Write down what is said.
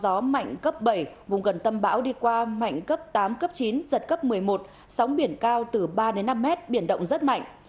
gió mạnh cấp bảy vùng gần tâm bão đi qua mạnh cấp tám cấp chín giật cấp một mươi một sóng biển cao từ ba đến năm mét biển động rất mạnh